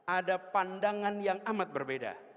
ada pandangan yang amat berbeda